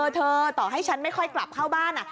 ต่อให้ฉันไม่ค่อยกลับเข้าบ้าน